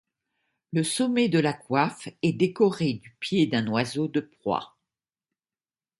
Le sommet de la coiffe est décoré du pied d'un oiseau de proie.